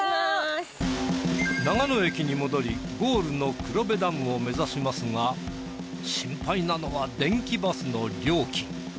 長野駅に戻りゴールの黒部ダムを目指しますが心配なのは電気バスの料金。